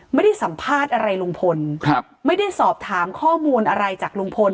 ไม่ได้สัมภาษณ์อะไรลุงพลครับไม่ได้สอบถามข้อมูลอะไรจากลุงพล